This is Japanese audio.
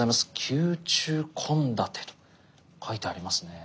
「宮中献立」と書いてありますね。